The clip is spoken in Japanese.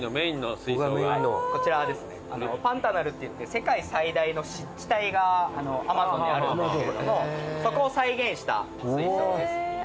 こちらはですねパンタナルっていって世界最大の湿地帯がアマゾンにあるんですけれどもそこを再現した水槽です。